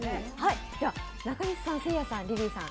では、中西さんせいやさん、リリーさん。